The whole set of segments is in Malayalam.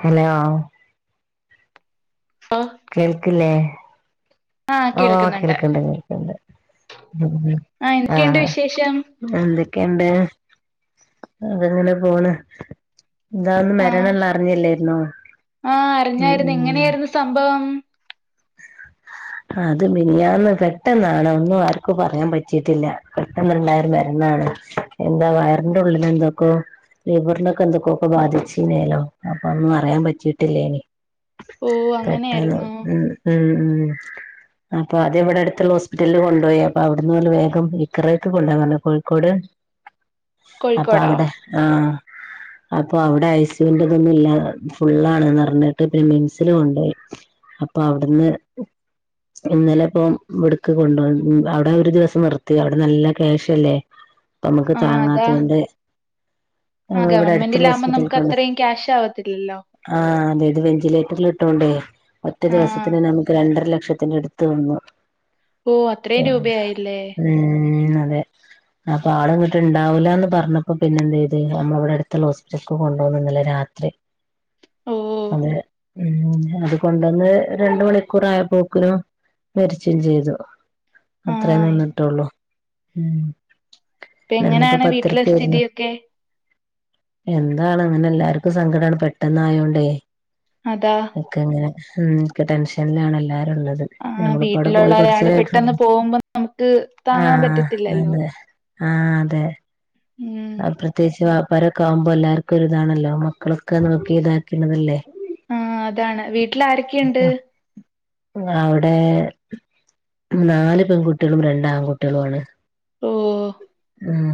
ഹലോ ഓ കേൾക്കില്ലേ ആഹ് ആ കേൾക്കുന്നുണ്ട് കേൾക്കണ്ട് കേൾക്കണ്ട് ഉം ആഹ് ആ എന്തൊക്കെയുണ്ട് വിശേഷം എന്തി ക്കെണ്ട് അതങ്ങനെണ്ട് പോണ് ഇതാന്ന് ആഹ് മരണം എല്ലാം അറിഞ്ഞല്ലായിരുന്നോ ആഹ് ഉം അറിഞ്ഞായിരുന്നു ഉം എങ്ങനെയായിരുന്നു സംഭവം അത് മിനിയാന്ന് പെട്ടെന്നാണ് ഒന്നും ആർക്കും പറയാൻ പറ്റിട്ടില്ല പെട്ടെന്നുണ്ടായരു മരണ എന്താ വയറിന്റെ ഉള്ളിൽ എന്തൊക്കോ ലീവറിനൊക്കെ എന്തൊക്കൊക്കെ ബാധിച്ചീനേലോ അപ്പൊന്നും അറിയാൻ പറ്റിയിട്ടില്ലേനി ഓ പെട്ടെന്ന് അങ്ങനെയായിരുന്നോ ഉം ഉം [inaudible] അപ്പൊ അത് ഇവിടെടുത്തുള്ള ഹോസ്പിറ്റലിൽ കൊണ്ടുപോയി അപ്പോ അവിടുന്ന് പോല്ല വേഗം ഇക്കറക്ക് കൊണ്ടോഞ്ഞ കോഴിക്കോട് [inaudible] അപ്പൊ കോഴിക്കോടോ അവിടെ ആഹ [inaudible] അപ്പൊ അവിടെ ഐസുന്റെ ഇതൊന്നും ഇല്ല ഫുുള്ളാണ് നിറഞ്ഞിട്ട് പിന്നെ മിംസിൽ കൊണ്ടുപോയി അപ്പൊ അവിടുന്ന് ഇന്നലെ ഇപ്പം വിടുക്ക് കൊണ്ടപോ അവിടെ ഒരു ദിവസം നിർത്തി അവിടെ നല്ല ക്യാശല്ലേ നമുക്ക് താങ്ങാത്ത കൊണ്ട് ആ ഗവൺമെന്റ് ആകുമ്പോം നമുക്ക് അത്രയും ക്യാഷ ആവത്തില്ലല്ലോ ആഹ് അതെത് വെന്റിലേറ്ററിൽ ഇട്ടോണ്ടേ ഒറ്റ ആഹ് ദിവസത്തിന് നമുക്ക് രണ്ടര ലക്ഷം അടുത്ത് വന്നു ഓ പി അത്രയും രൂപയായില്ലേ [unintelligible] അപ്പൊ ആള ഇങ്ങോട്ട് ഇണ്ടാവൂില്ലന്ന് പറഞ്ഞപ്പോ പിന്നെ എന്ത ചെയ്ത് അമ്മ ഇവിടെ അടുത്തുള്ള ഹോസ്പിറ്റല കൊണ്ടുപോ ല്ല രാത്രി ഓ അതെ ഉ അതുകൊണ്ടന്ന് രണ്ട മണിക്കൂർ ആയപ്പോോ ക്ക മരിച്ചയും ചെയ്തു അത്രേ ആഹ് ഇപ്പ നിന്നിട്ടുള്ളൂ ഇന്നിപ്പോൊ എങ്ങനെയാണ് വീട്ടിലെ പത്തരക്കായിരുന്നു സ്ഥിതിയൊക്കെ എന്താണ് അങ്ങനെ എല്ലാർക്കും സങ്കടാണ് പെട്ടെന്ന് ആയോണ്ടേ! അതാ ക്കെങ്ങനെെ ടെൻഷനിലാണല്ലാരും ള്ളത് ആഹ് നമ്മളിപ്പോവിടെ പോയി വീട്ടിലുള്ള കുറച്ച ഒരാള് നേരായിട്ട് പെട്ടെന്ന് പോകുമ്പോ നമുക്ക് താങ്ങാൻ ആഹ പറ്റത്തില്ലല്ലോ അതെ ആഹ അതെ ഉം പ്രത്യേകിച്ച് വ്യാപാരൊക്കെ ആകുമ്പോൾ എല്ലാർക്കുംരി ഇതാണല്ലോ മക്കളൊക്കെ നോക്കി ഇതാക്കണതല്ലേ ആഹ അതാണ് വീട്ടിൽ ആരൊക്കെയുണ്ട്? അവിടെ നാല് പെൺകുട്ടികളും, രണ്ട ആൺകുട്ടികളുണ് ഓ ഉം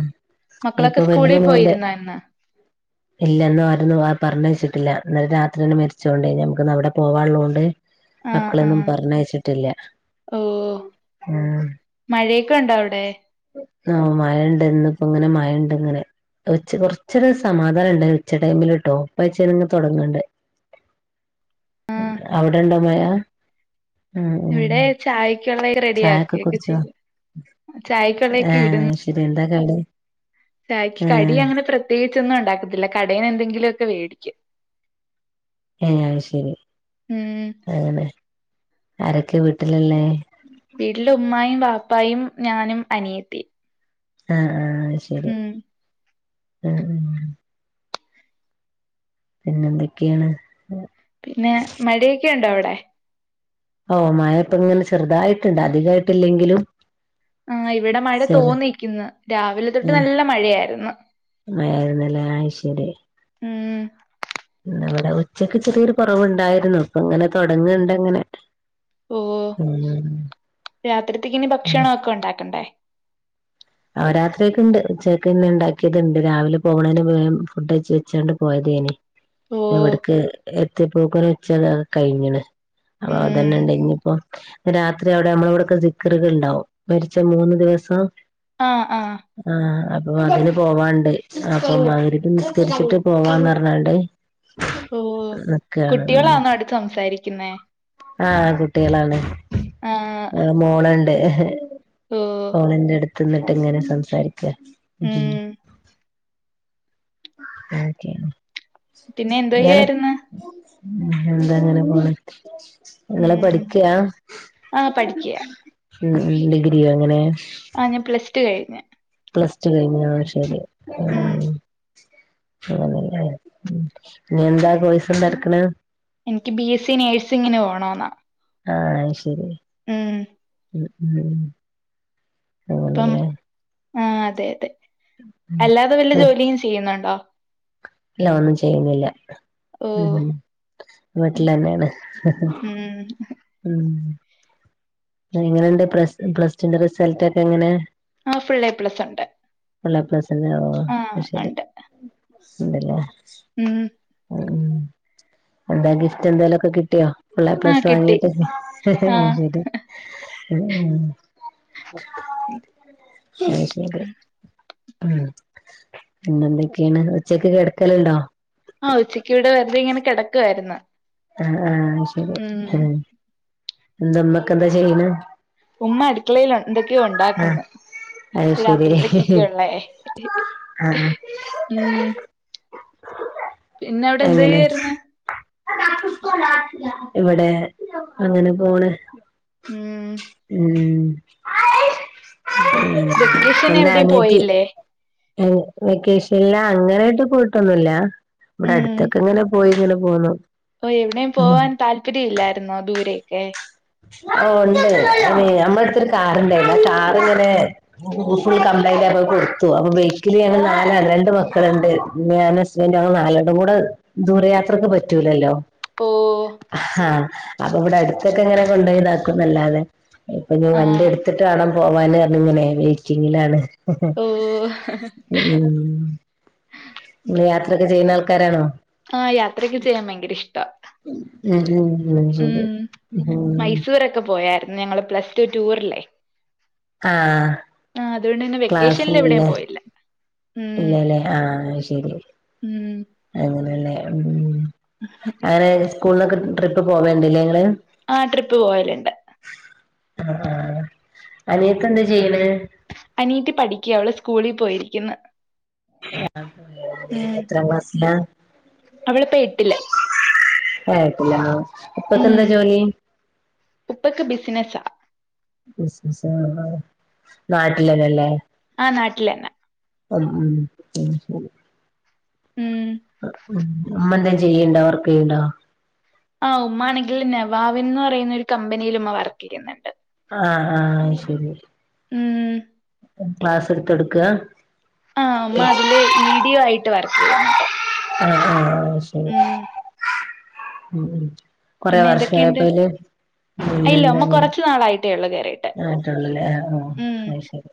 ഇയിപ്പൊ മക്കളൊക്കെ വലിയ സ്കൂളിൽ മോന്റെ പോയിരുന്നോ ഇന്ന് ഇല്ലന്നും ആരൊന്നും പറഞ്ഞഞ് വെച്ചിട്ടില്ല എന്നാല് രാത്രി തന്നെ മരിച്ചോണ്ടേ ഞമക്ക് അവിടെ പോവാള്ളൂണ്ട് ആഹ് മക്കളൊന്നും ആഹ് പറഞ്ഞയച്ചിട്ടില്ല, മം ഒക്ക ഉണ്ട അവിടെ ആഹ മഴുണ്ട് ഇന്ന് ഇപ്പോ ഇങ്ങനെ മഴുണ്ട് ഇങ്ങനെ ഉ കൊറച്ച സമാധാനം ഉണ്ട ഉച്ചടൈമില് ട്ടോ [unintelligible] തുടങ്ങണ്ട് അ അവിടെണ്ടമഴ? ഉ ഉ ഇവിടെ ചായക്കുള്ള റെഡി ചായൊക്കെ ആക്കുകയൊക്കെ കുറച്ച്? ചെയ്യും ചായക്കുള്ളയൊക്കെ ആഹ ശരി എന്താ കടി ചായ്ക്കി കടി ആഹ് അങ്ങനെ പ്രത്യേകിച്ചൊന്നും ഉണ്ടാക്കത്തില്ല കടേന്ന് എന്തെങ്കിലുമ ഒക്കെ വേട ക്കും ഏ ശരി അങ്ങനെ ആരൊക്കെ വീട്ടിലല്ലേ വീട്ടില ഉമ്മായും പാപ്പായും ഞാനും അനിയെത്തി ആഹ ആഹ് ശരി ഉ ഉ പിന്നെന്തൊക്കെയാണ് പിന്നെ മടൊക്കെുണ്ടോ അവിടെ? ഓ മായപ്പ ഇങ്ങനെ ചെറുതായിട്ടുണ്ട് അധികമായിട്ടില്ലെങ്കിലും ആഹ ഇവിടെ മഴ തോന്നിക്കുന്നു രാവിലെ തൊട്ട് ആഹ് നല്ല മഴയായിരുന്നു അല ആ് ശരി ഉം ഇവിടെ ഉച്ചക്ക് ചെറിയൊരു കുറവുണ്ടായിരുന്നു ഇപ്പൊ ഇങ്ങനെ തുടങ്ങണ്ട് അങ്ങനെ ഓ രാത്രിത്തേക്കനി ഭക്ഷണൊക്കെ ഉണ്ടാക്കണ്ടേ അവരാത്രിയൊക്കെ ഉണ്ട് ചേക്ക്ന്നെ ഉണ്ടാക്കിയത്ണ്ട് രാവിലെ പോകണേന് ഫുഡ് വെച്ചോണ്ട് പോയതേനി ഓഹ് ഇവിടക്ക് എത്തി പോക്കൻ വെച്ച കഴിഞ്ഞണ് അപ്പ ഉം അതന്നെ ഉണ്ട ഇനിയിപ്പോൊ രാത്രി അവിടെ നമ്മളവിടെക്കെ ജിക്കറുകൾ ഉണ്ടാവും മരിച്ച മൂന്ന് ദിവസം ആഹ് ആഹ് ആഹ് അത് ഓഹ് അതിന് പോവാണ്ട് അപ്പൊ അവരിക്ക്‌ നിസ്കരിച്ചിട്ട് പോവാന്ന് പറഞ്ഞണ്ട് ഓഹ് കുട്ടികളാണോ അവിടുന്ന് സംസാരിക്കുന്നേ ആഹ് കുട്ടികളാന്ന് ആഹ് മോളുണ്ട് ഓ ഹോളിന്റെ അടുത്ത് നിന്നിട്ടന്നെയാ സംസാരിക്ക ഉം ഓക്കേ പിന്നെ എന്തോ ചെയ്യുവായിരുന്നു? എന്താ അങ്ങനെ പോണെ നിങ്ങള് ഉം പഠിക്കയാ ആ പഠിക്ക്യാ മ് മ് ഡിഗ്രിയാ അങ്ങനെ ആഹ് ഞാൻ പ്ലസ് ടു കഴിഞ്ഞു പ്ലസ് ടു കഴിഞ്ഞോ ശരി ഉം ഇനി എന്താ കോഴസെന്താ എടുക്കണെ എനിക്ക് ബി എസ് സി നേഴ്സിങ്ങിന് പോണൊന്ന ആഹ് ശരി ഉം മ് മ് അങ്ങനല്ലേ ആഹ് അതെ അതെ ഉം അല്ലാതെ വല്ല ജോലിയും ചെയ്യുന്നുണ്ടോ ഇല്ല ഒന്നും ചെയ്യുന്നില്ല ഓ ഉം ഉം വീട്ടിലെന്നേണ് ഉം ഉം എങ്ങനെണ്ട് പ്ലസ് പ്ലസ്ടുന്റെ റിസൾട്ടൊക്കെങ്ങനെ ആഹ് ഫുൾ എപ്ലസുണ്ട് ഫുൾ എപ്ലസന്നെയൊ അയ്ശരി ഉണ്ടല്ലേ ഉം ഉം എന്താ ഗിഫ്റ്റ് എന്തേലൊക്കെ കിട്ടിയോ ഫുൾ ആ എപ്ലസ് കിട്ടി വാങ്ങീട്ട് ഹ് ഹേ ആ ഹി അത് ശരി ഉം പിന്നെന്തൊക്കാണ് ഉച്ചക്ക് കിടക്കലുണ്ടോ ആഹ് ഉച്ചക്ക് ഇവിടെ വെറുതെ ഇങ്ങനെ കിടക്കുവാര്ന്ന് ആഹ് ആഹ് ശരി ആഹ് എന്താമ്മക്കെന്താ ചെയ്യണ് ഉമ്മ അടുക്കളേലെന്തൊക്കെയൊ ആഹ് ഉണ്ടാക്കുന്നു അത് ശരി രാത്രിത്തേയ്ക്കൊക്കെ ഉള്ളേ ആഹ് ഉം പിന്നെ അവിടെ എന്തെ ചെയ്യാരുന്ന് ഇവിടേ അങ്ങനെ പോണ് ഉം ഉം മ് വെക്കേഷൻ എന്താ എവിടെയും അനിയത്തി പോയില്ലേ ഉം വെക്കേഷനിൽ അങ്ങനാട്ട് പോയിട്ടൊന്നുല്ല ഇവിടെ അടുത്തൊക്കെ ഇങ്ങനെ പോയിട്ടുണ്ട് ഓഹ് എവിടെയും പോവാൻ താല്പര്യ ഇല്ലായിരുന്നോ ദൂരെയൊക്കെ ആഹ് ഉണ്ട് അത് നമ്മള അട്ത്തൊരു കാറുണ്ടായിരുന്നു ആ കാറിങ്ങനെ ഫുൾ കംപ്ലൈന്റ് യാപ്ലാ അത് കൊടുത്തു അപ്പൊ ബൈക്കില് ഞങ്ങള് നലാള് രണ്ട് മക്കള്ണ്ട് പിന്നേ ഞാന് ഹസ്ബൻറ് ഞങ്ങള് നാലെണ്ണം കൂടെ ദൂരയാത്രക്ക് പറ്റൂലല്ലോ ഓ ഹഹാ അപ്പൊ ഇവിടെ അടുത്തൊക്കെ ങ്ങനെ കൊണ്ടോയി താക്കുന്നല്ലാതെ ഇപ്പൊ ഞ്ഞി ആ വണ്ടി എടുത്തിട്ടേണം പോവാൻ പറഞ്ഞിങ്ങനെ വെയിറ്റിങ്ങിലാണ് ഓ ഉം ങ്ങള് യാത്രൊക്കെ ചെയ്യുന്ന ആൾക്കാരാണോ ആഹ് യാത്രൊക്കെ ചെയ്യാൻ ഭയങ്കര ഇഷ്ടാ ഉം ഉം ശരി ഉം ഉം മൈസൂരൊക്കെ പോകും പോയാരുന്നു ഞങ്ങള് പ്ലസ്ടു ടൂറില്ലേ ആഹ് ആഹ് അത് കൊണ്ടെന്നെ വെക്കേഷനിൽ എവിടേം ക്ലാസ്സില്ലേ പോയില്ല ഉം ഇല്ലല്ലേ ആഹ് അത് ശരി ഉം ആണ്ലേ ഉം അങ്ങനെ സ്കൂളിന്നൊക്കെ ട്രിപ്പ് പോവൽണ്ട് ലേ ങ്ങള് ആ ട്രിപ്പ് പോവല്ണ്ട് ആ ആ അനിയത്തി എന്താ ചെയ്യണ് അനിയത്തി പടിക്ക്യാ അവൾ സ്കൂളിൽ പോയിരിക്കുന്ന് ആ എത്രാം ക്ലാസിലാ അവളിപ്പ എട്ടില് ആ എട്ടിലാണോ ഉം ഉപ്പക്കെന്താ ജോലി ഉപ്പക്ക് ബിസിനസ്സാ ബിസിനസ് [unintelligible] നാട്ടിലെന്നെല്ലേ നാട്ടിലന്നെ ഉം ഉം ഉ ഉം ഉം ഉമ്മെന്താ ചെയ്യ്ണ്ടോ വർക്ക് ചെയ്യ്ണ്ടോ ആഹ ഉമ്മമാ ആണെങ്കിൽ നവാവിന്ന് പറയുന്ന ഒരു കമ്പനിയിൽ ഉമ്മ വർക്ക് ചെയ്യുന്നുണ്ട് ആ ആ ശരി ഉം ക്ലാസ് എടുത്ത് എടുക്ക ആ ഉമ്മ അതില് ഈഡി ആയിട്ട് വർക്ക് ചെയ്യുന്നുണ്ട് ആ ആ ശരി ഉം ഉ ഉ കൊറേ പിന്നെ വർഷ എന്തൊക്കെയുണ്ട് ആയപ്പോല് ആ, ഇല്ല ഉമ്മ പിന്നന്തങ്ങനെ കുറച്ചു നാളായിട്ടേ ഉള്ളൂ കേറിയിട്ട് ആയിട്ടുള്ളല്ലേ ഉം ആഅ ശരി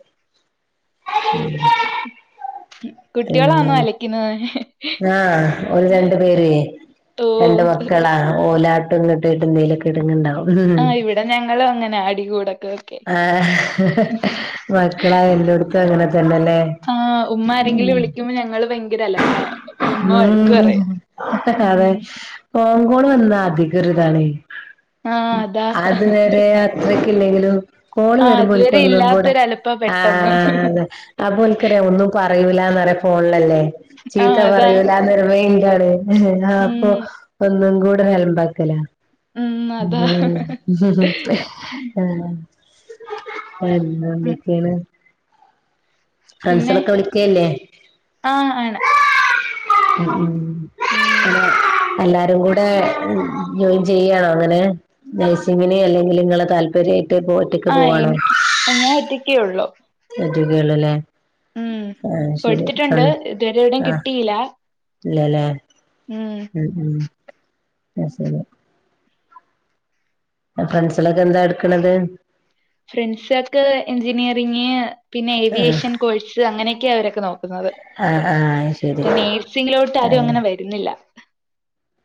ഉം കുട്ടികളാണോ അലക്കുന്നത് ആ ഒരു രണ്ടു പേര് ഓ രണ്ട് മക്കളാ ഓ അല്ലാട്ടൊന്ന ഇട്ട്ന്തെങ്കലക്കെ ഇടങ്ങണ്ടാവും ആ ഇവിടെ ഞങ്ങളും അങ്ങനെ അടികൂടൊക്കെ ഒക്കെ ആ മക്കളാ എല്ലടത്തും അങ്ങനെ എന്നല്ലെ ആഹ് ഉമ്മ ആരെങ്കിലും ഉം വിളിക്കുമ്പോ ഞങ്ങള് ഭയങ്കര അലപ്പാ അപ്പൊ ഉമ്മ വഴക്ക് ഉം പറയും ഉം [unintelligible] കോകോട് വന്നാ അധികം ഒരുതാണ് ആഹ് അതാ അത്‌വരെ അത്ര ഇല്ലെങ്കിലും കോള് ആഹ് വരുമ്പോല അതുവരെ ഒന്നും കൂടെ ഇല്ലാത്തൊരലപ്പാ ആ പെട്ടെന്ന് ആ അപ്പോ ഓൾക്കറിയാംഒന്നും പറയൂല ഇല്ലാന്നറിയാം ഫോണിലല്ലേ ചീത്ത ആഹ് അതാ പറയൂല എന്ന് മെയിൽ ഇതാണ് അപ്പൊ ഉം ഒന്നും കൂടി [unintelligible] അലമ്പക്കല ഉം ഹുംഹും ഉം അ എന്താ ഉം എന്തൊക്കെയാണ് പിന്നെ ഫ്രണ്ട്സിലൊക്കെ വിളിക്കല്ലേ ആ ആണ്. ഉ ഉ ഉം ഹലോ എല്ലാരും കൂടെ ജോയിൻചെയ്യാണോ അങ്ങനെ നഴ്സിങ്ങിനെ അല്ലെങ്കിൽ നിങ്ങളെ താല്പര്യയിട്ട് ഒറ്റക്ക് ആ പോവാണോ എനിക്ക് ഞാൻ ഒറ്റക്കേ ഒള്ളൂ. തറ്റുകളല്ലേ ഉം ആ ശ രി സ കൊടുത്തിട്ടുണ്ട് ഇതുവരെ എവിടെയും ആ കിട്ടിയില്ല. ഇല്ലല്ലേ ഉം ഉ ഉ അന്ന ശരി ഫ്രണ്ട്സിലൊക്കെ എന്താ എടുക്കണത് ഫ്രണ്ട്സ ഒക്കെ എഞ്ചിനീയറിങ് പിന്നെ ആഹ് ഏവിയേഷൻ കോഴ്സ് അങ്ങനെയൊക്കെയ അവരൊക്കെ നോക്കുന്നത് ആഹ് ആഹ് ശരി മറ്റെ നേഴ്സിംഗിലോട്ട് ആരും ആഹ് അങ്ങനെ വരുന്നില്ല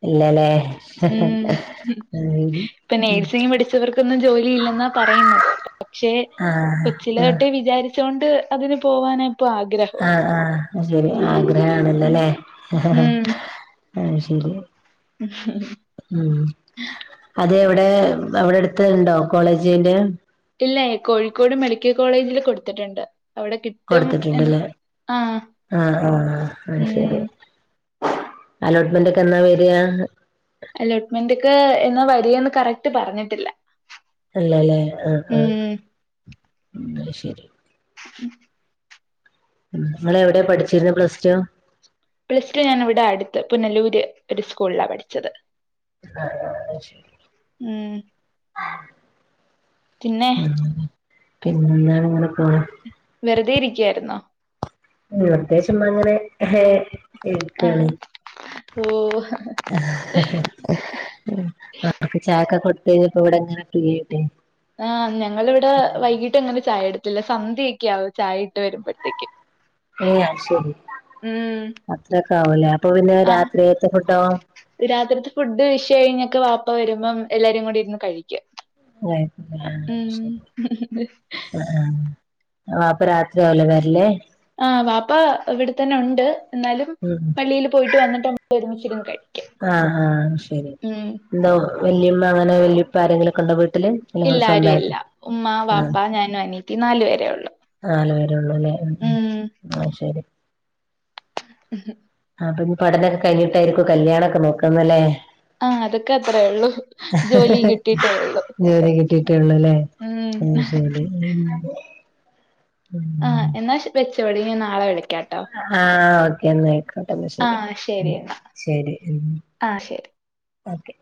ഇല്ലല്ലേ ഉം ഇപ്പൊ നേഴ്സിംഗ് പഠിച്ചവർക്കൊന്നും ജോലി ഇല്ലെന്നാ പറയുന്നത് പക്ഷെ ആഹ് കൊച്ചില ആഹ് തൊട്ടെ വിചാരിച്ചൊണ്ട് അതിന് പോവാനായി ആആഹ് ശരി ഉം ആഗ്രഹണല്ലോല്ലേ ഹ ഹ ഉം. ആ ശരി ഉ അതേ വെ അവിടെ അവിടെ അടുത്തണ്ടോ കോളേജിന്റെ ഇല്ല കോഴിക്കോട് മെഡിക്കൽ കോളേജില് കൊടുത്തിട്ടുണ്ട് അവിടെ കിട്ടും എന്ന് കൊടുത്തിട്ടുണ്ടല്ലേ ആഹ് ആഹ ആഹ ആ ശരി ഉം അലോട്ട്മെന്റ് ഒക്കൊഎന്നാ വരിയാ അലോട്ട്മെന്റ്ക്ക് എന്നാ വരികന്ന് കറക്റ്റ് പറഞ്ഞിട്ടില്ല അല്ല അല്ലേ ആഹ ആഹ ഉം ഉ ശരി ഉ നിങ്ങൾ എവിടെയാ പഠിച്ചിന്ന് പ്ലസ് ടു പ്ലസ് ടു ഞാൻ ഇവിടെ അടുത്ത് പുനലൂര് ഒരു സ്കൂളിലാ പഠിച്ചത് ആഹ ശ ഉം പിന്നെ ഉ പിന്നെ വെറുതെ ഇരിക്കയായിരുന്നോ നിർദേശമങ്ങനെ ഏഹ് എനിക്കാണ് ആഹ് ഓഹ് ഹെ-ഹെ-ഹെ മക്കൾക്ക് ചായാക്കോകൊട് ത്ത്. ഇവിടങ്ങനെ ഫ്രീയായിട്ട് ആ ഞങ്ങളിവിടെ വൈകീട്ടങ്ങനെ ചായ എടുത്തില്ല സന്ധ്യയൊക്കെയാവും ചായ ഇട്ട് വരുമ്പൊഴത്തേക്ക് ഏ അത്ശെരി ഉം അത്രൊക്കാവുംല്ലേ അപ്പൊ പിന്നെ ആഹ് രാത്രിത്തെ ഫുഡോ രാത്രിത്തെ ഫുഡ്ഡ് ഇശാകഴിഞ്ഞൊക്കെ വാപ്പ വരുമ്പം എല്ലാരും കൂടി ഇരുന്ന് കഴിക്കും ഏ ആഹ് ശെരി ഉം ആ ആ ആ വാപ്പ രാത്രിയാവില്ലെ വരല് ആ വാപ്പ ഇവിടെത്തന്നെ ഉണ്ട് എന്നാലും ഉം പള്ളില് പോയിട്ട് വന്നിട്ടാ നമ്മ ഒരുമിച്ച് ആഹാ ശെരി ഉം എന്തോ വല്യമ്മ അങ്ങനെ വല്യുപ്പ ആരെങ്കിലൊക്ക്ണ്ടോ വീട്ടില് അല്ല നിങ്ങൾ ഇല്ല ആരുല്ല സ്വന്തമായിട്ട് ഉമ്മ ആഹ് വാപ്പ ഞാനും അനീത്തീം നാലുപേരെയുള്ളു ഉള്ളുലെ ഉം-ഉം ആഹ് ശെരി ഉഹ്മ് ആ പിന്ന പഠനൊക്കെ കഴിഞ്ഞിട്ടായിരിക്കോ കല്യാണൊക്കെ നോക്കുന്നല്ലേ ആഹ് അതൊക്കെ അത്രേ ഉള്ളൂ ജോലി കിട്ടിയിട്ടേ ഉള്ളു ജോലി കിട്ടിയിട്ടുള്ളൂല്ലേ ഉം ആഹ് ശെരി ഉം ഉം ശെരിന്നാ നാളെ വിളി ആഹ് ഓക്കെന്ന് അപ്പെന്നാ ശെരി ആഹ് ശരി എന്നാ ശെരി ആഹ് ശരി ഓക്കെ